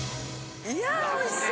いやおいしそう！